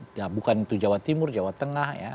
ya bukan itu jawa timur jawa tengah ya